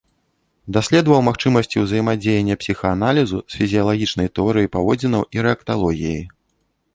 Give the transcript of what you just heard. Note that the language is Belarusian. Даследаваў магчымасці ўзаемадзеяння псіхааналізу з фізіялагічнай тэорыяй паводзінаў і рэакталогіяй.